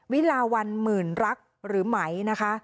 วิลาวันหมื่นรักหรือไหมนะคะ